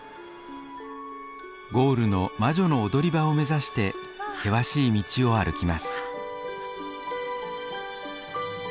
ゴールの魔女の踊り場を目指して険しい道を歩きます。